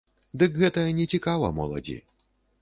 Дык гэта нецікава моладзі.